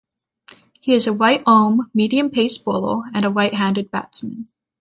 He is a right-arm medium-pace bowler and right-handed batsman.